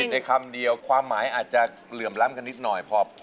ในคำเดียวความหมายอาจจะเหลื่อมล้ำกันนิดหน่อย